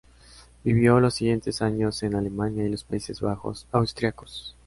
Vivió los siguientes años en Alemania y los Países Bajos Austríacos.